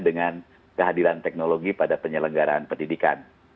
dengan kehadiran teknologi pada penyelenggaraan pendidikan